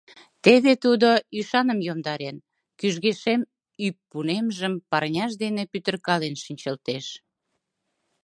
Теве тудо, ӱшаным йомдарен, кӱжгӧ шем ӱппунемжым парняж дене пӱтыркален шинчылтеш.